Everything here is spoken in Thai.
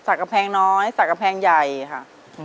กำแพงน้อยสักกระแพงใหญ่ค่ะ